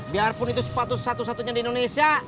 biarpun itu sepatu satu satunya di indonesia